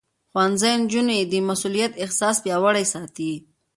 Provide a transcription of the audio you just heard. ښوونځی نجونې د مسؤليت احساس پياوړې ساتي.